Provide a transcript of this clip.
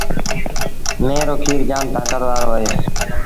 ميݩهن رو کير جآم تآݩڪت وآرو اهي۔